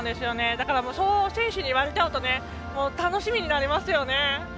だからそう選手に言われちゃうと楽しみになりますよね。